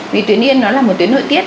vì tuyến yên nó là một tuyến nội tiết